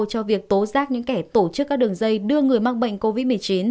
cho việc tố giác những kẻ tổ chức các đường dây đưa người mắc bệnh covid một mươi chín